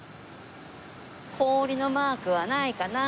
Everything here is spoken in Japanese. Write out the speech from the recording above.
氷のマークはないかな？